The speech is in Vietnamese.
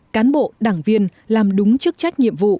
cán bộ đảng viên làm đúng chức trách nhiệm vụ